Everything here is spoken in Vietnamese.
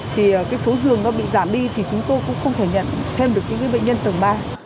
thì cái số giường nó bị giảm đi thì chúng tôi cũng không thể nhận thêm được những bệnh nhân tầng ba